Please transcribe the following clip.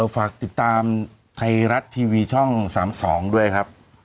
ฝากติดตามไทยรัฐทีวีช่อง๓๒ด้วยครับ